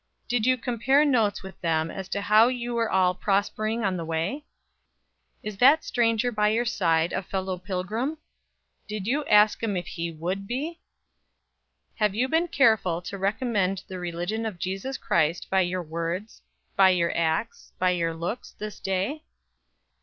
Did you compare notes with them as to how you were all prospering on the way? Is that stranger by your side a fellow pilgrim? Did you ask him if he would be? Have you been careful to recommend the religion of Jesus Christ by your words, by your acts, by your looks, this day?